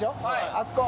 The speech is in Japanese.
あそこ。